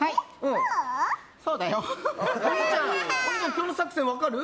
今日の作戦分かる？